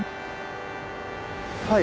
はい。